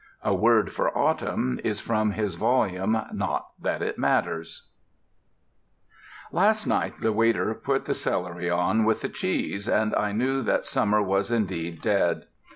"A Word for Autumn" is from his volume Not That It Matters. Last night the waiter put the celery on with the cheese, and I knew that summer was indeed dead.